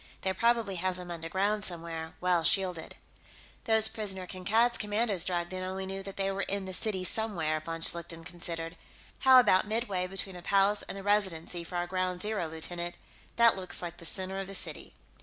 They probably have them underground, somewhere, well shielded." "Those prisoners Kankad's commandos dragged in only knew that they were in the city somewhere," von Schlichten considered. "How about midway between the Palace and the Residency for our ground zero, lieutenant? That looks like the center of the city."